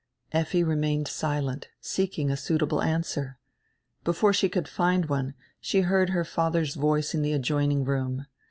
Effi remained silent, seeking a suitable answer. Before she could find one she heard her father's voice in the adjoining room.